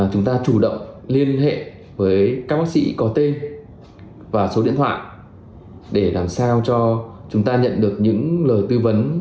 chúng ta chủ động liên hệ với các bác sĩ có tên và số điện thoại để làm sao cho chúng ta nhận được những lời tư vấn